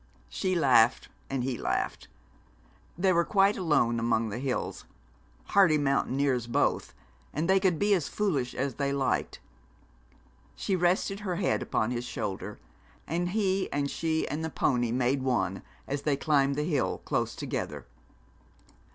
She laughed, and he laughed. They were quite alone among the hills hardy mountaineers both and they could be as foolish as they liked. She rested her head upon his shoulder, and he and she and the pony made one as they climbed the hill, close together.